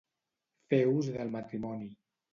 Fer ús del matrimoni.